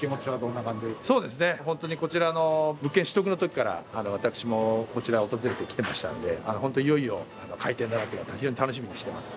ホントにこちらの物件取得の時から私もこちら訪れてきてましたんでホントいよいよ開店だなと非常に楽しみにしています